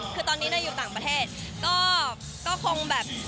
คือตอนนี้อยู่ต่างประเทศก็คงแบบ